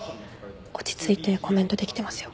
落ち着いてコメントできてますよ。